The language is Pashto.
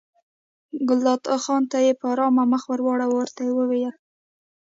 ګلداد خان ته یې په ارامه مخ واړاوه او ورته ویې ویل.